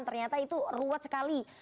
ternyata itu ruwet sekali